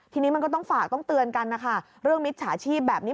ทีนี้มันก็ต้องฝากต้องเตือนกันนะคะเรื่องมิจฉาชีพแบบนี้